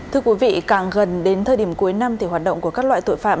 thưa quý vị càng gần đến thời điểm cuối năm thì hoạt động của các loại tội phạm